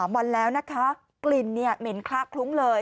๒๓วันแล้วกลิ่นเหม็นคลักคลุ้งเลย